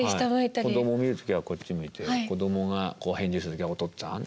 子ども見る時はこっち向いて子どもが返事する時は「お父っつぁん」って。